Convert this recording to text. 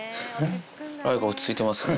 雷が落ち着いてますね。